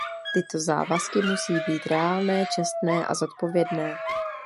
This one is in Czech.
Tyto závazky musí být reálné, čestné a zodpovědné.